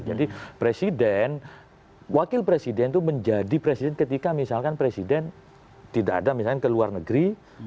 jadi presiden wakil presiden itu menjadi presiden ketika misalkan presiden tidak ada misalnya ke luar negeri